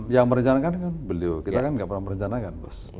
yang merencanakan kan beliau kita kan nggak pernah merencanakan bos